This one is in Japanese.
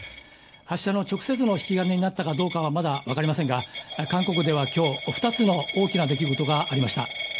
発射の直接の引き金になったかどうかは、まだ分かりませんが、韓国では今日、２つの大きな出来事がありました。